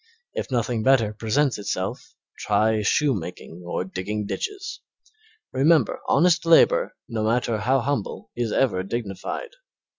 If nothing better presents itself, try shoemaking or digging ditches. Remember honest labor, no matter how humble, is ever dignified.